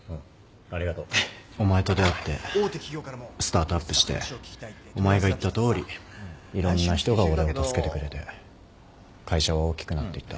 ありがとうお前と出会ってスタートアップしてお前が言ったとおりいろんな人が俺を助けてくれて会社は大きくなっていった。